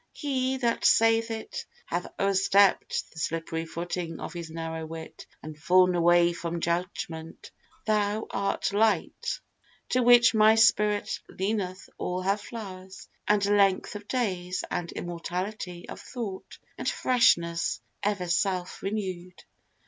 He, that saith it, hath o'erstepp'd The slippery footing of his narrow wit, And fall'n away from judgment. Thou art light, To which my spirit leaneth all her flowers, And length of days, and immortality Of thought, and freshness ever self renew'd.